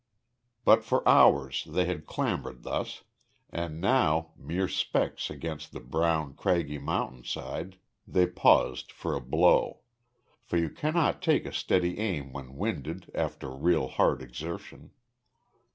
But for hours they had clambered thus, and now, mere specks against the brown, craggy mountain side, they paused for a blow; for you cannot take a steady aim when winded after real hard exertion.